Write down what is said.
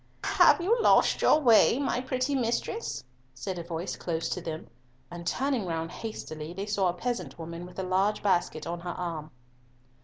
"Have you lost your way, my pretty mistress?" said a voice close to them, and turning round hastily they saw a peasant woman with a large basket on her arm.